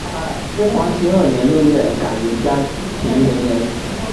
光兴二年六月改元嘉平元年。